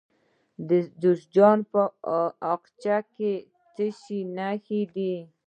د جوزجان په اقچه کې د څه شي نښې دي؟